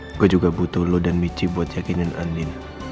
saya juga butuh anda dan michi untuk meyakinkan andin